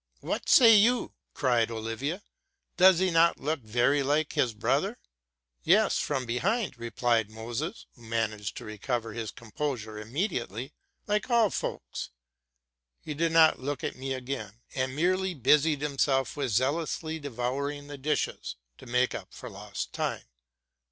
'* What say you?'' cried Olivia: does he not look very like his brother? ''—'* Yes. from behind,'' replied Moses, who managed to recover his composure immediately, '' like all folks.'? He did not look at me again, and merely busied himself with zealously de youring the dishes, to make up for lost time.